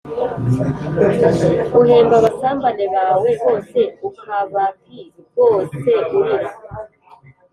uhemba abasambane bawe bose ukabag rwoseurira